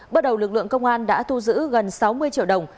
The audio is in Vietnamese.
bước đầu lực lượng công an đã thu giữ gần sáu mươi triệu đồng